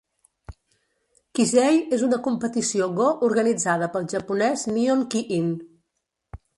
Kisei és una competició Go organitzada pel japonès Nihon Ki-in.